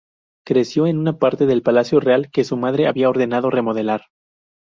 Creció en una parte del Palacio Real que su madre había ordenado remodelar.